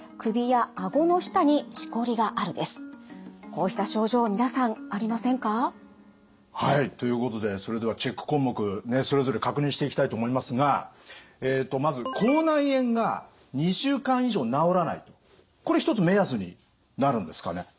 こうした症状皆さんありませんか？ということでそれではチェック項目それぞれ確認していきたいと思いますがまずこれ一つ目安になるんですかね？